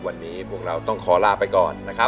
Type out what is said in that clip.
วันนี้พวกเราต้องคอลาไปก่อน